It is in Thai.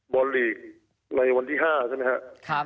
บอลลีกในวันที่๕ใช่ไหมครับ